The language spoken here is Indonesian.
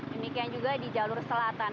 demikian juga di jalur selatan